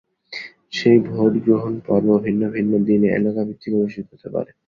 সেই ভোট গ্রহণ পর্ব ভিন্ন ভিন্ন দিনে এলাকাভিত্তিক অনুষ্ঠিত হতে পারে।